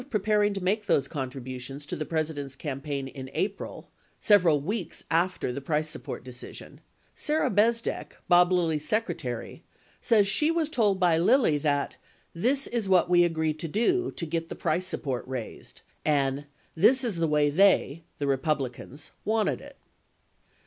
For example, in the course of preparing to make those contributions to the President's campaign in April (several weeks after the price support decision), Sarah Bez dek, Bob Lilly's secretary, says she was told by Lilly that "this is what we agreed to do ... to get the price support raised" and "this is the way they [the Republicans] wanted it."